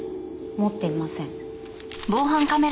持っていません。